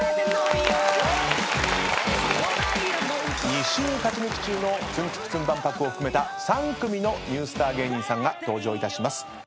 ２週勝ち抜き中のツンツクツン万博を含めた３組のニュースター芸人さんが登場いたします。